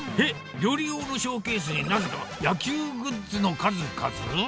料理用のショーケースに、なぜか野球グッズの数々？